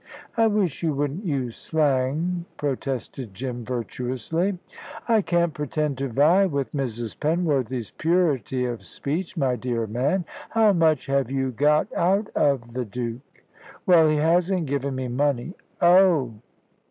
"I wish you wouldn't use slang," protested Jim, virtuously. "I can't pretend to vie with Mrs. Penworthy's purity of speech, my dear man. How much have you got out of the Duke?" "Well, he hasn't given me money " "Oh!"